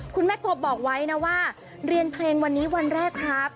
คุณแม่กบบอกไว้นะว่าเรียนเพลงวันนี้วันแรกครับ